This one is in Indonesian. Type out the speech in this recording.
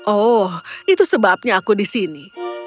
oh itu sebabnya aku di sini